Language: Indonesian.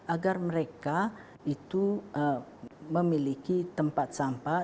agar mereka itu memiliki tempat sampah